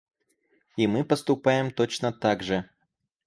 И мы поступаем точно так же.